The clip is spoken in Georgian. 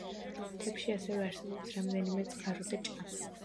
მთებში ასევე არსებობს რამდენიმე წყარო და ჭა.